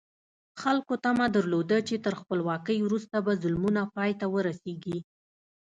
خلکو تمه درلوده چې تر خپلواکۍ وروسته به ظلمونه پای ته ورسېږي.